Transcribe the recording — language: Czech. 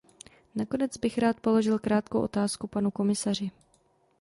Nakonec bych rád položil krátkou otázku panu komisaři.